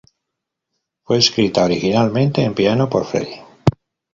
Fue escrita originalmente en piano por Freddie.